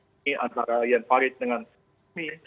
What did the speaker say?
dan pak eh ini antara ian farid dengan pak mi